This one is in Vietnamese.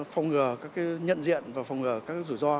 phòng ngừa các cái nhận diện và phòng ngừa các cái rủi ro